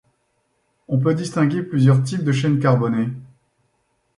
On peut distinguer plusieurs types de chaînes carbonées.